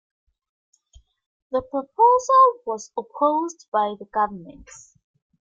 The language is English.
The proposal was opposed by the government.